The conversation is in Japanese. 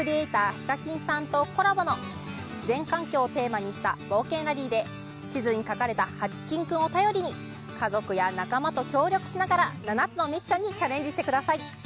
ＨＩＫＡＫＩＮさんとコラボの自然環境をテーマにした冒険ラリーで地図に描かれたハチキンくんを頼りに家族や仲間と協力しながら７つのミッションにチャレンジしてください。